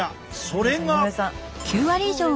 それが。